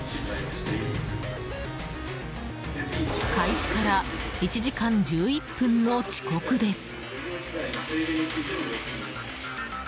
開始から１時間１１分の遅刻です。